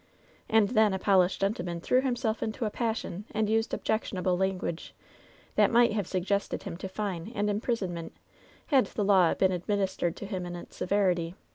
"And then a polished gentleman threw himself into a passion, and used objectionable language that might have subjected him to fine and imprisonment, had the law been administered to him in its severity.